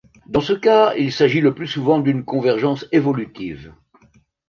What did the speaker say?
Dans ce cas il s'agit le plus souvent d'une convergence évolutive.